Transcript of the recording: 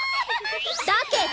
だけど！